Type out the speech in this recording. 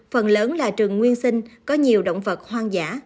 phần lớn là rừng nguyên sinh có nhiều động vật hoang dã